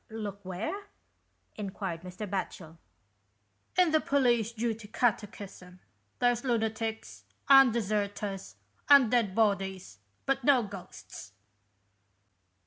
" Looked where ?" enquired Mr. Batchel. "In the 'Police Duty' Catechism. There's lunatics, and deserters, and dead bodies, but no ghosts."